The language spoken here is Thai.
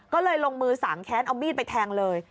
ก็เลยลงมือสางแค้นเอามีดไปแทงเลย